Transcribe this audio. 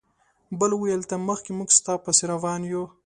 بل وویل ته مخکې موږ ستا پسې روان یو.